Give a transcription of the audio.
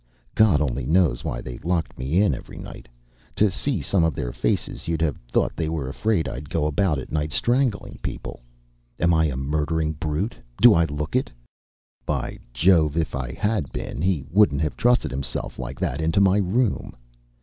"God only knows why they locked me in every night. To see some of their faces you'd have thought they were afraid I'd go about at night strangling people. Am I a murdering brute? Do I look it? By Jove! If I had been he wouldn't have trusted himself like that into my room.